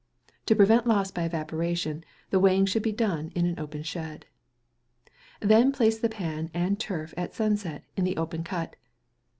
To prevent loss by evaporation, the weighing should be done in an open shed. Then place the pan and turf at sunset in the open cut.